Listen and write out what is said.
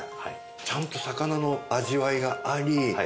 ちゃんと魚の味わいがあり西京